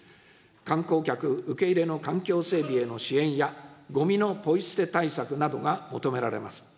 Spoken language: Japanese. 観光客受け入れの環境整備への支援や、ごみのポイ捨て対策などが求められます。